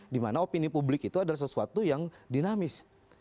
dimana opini publik itu adalah sesuatu yang dinamis